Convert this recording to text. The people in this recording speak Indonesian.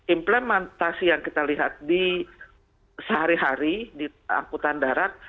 implementasi yang kita lihat di sehari hari di angkutan darat